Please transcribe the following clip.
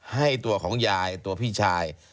ให้ตัวของยายตัวพี่ชาย